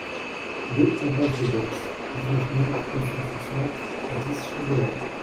deux impasse de Boisse, dix-neuf mille trois cent soixante-dix Chamberet